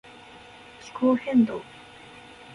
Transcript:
気候変動